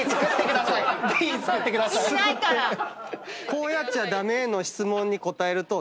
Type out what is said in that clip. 「こうやっちゃ駄目？」の質問に答えると。